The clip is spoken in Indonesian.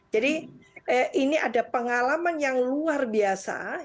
jadi ini ada pengalaman yang luar biasa